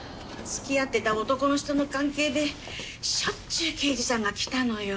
付き合ってた男の人の関係でしょっちゅう刑事さんが来たのよ。